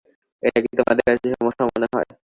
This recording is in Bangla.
এটা কি তোমাদের কাছে সমস্যা মনে হয় না?